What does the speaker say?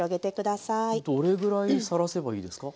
どれぐらいさらせばいいですか？